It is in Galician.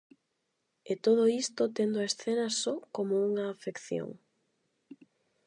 E todo isto tendo a escena só coma unha afección.